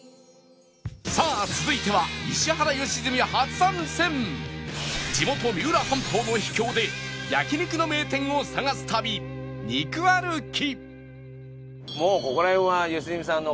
さあ続いては地元三浦半島の秘境で焼肉の名店を探す旅肉歩き